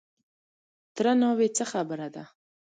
_تره ناوې! څه خبره ده؟